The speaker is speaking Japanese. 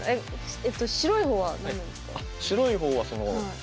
えっと白い方は何なんですか？